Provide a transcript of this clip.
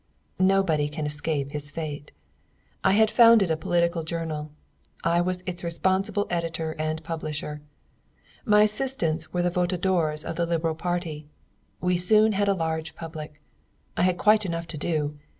Nobody can escape his fate. I had founded a political journal. I was its responsible editor and publisher. My assistants were the votadores of the Liberal party. We soon had a large public. I had quite enough to do.